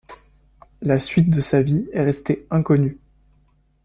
La suite de sa vie est restée inconnue.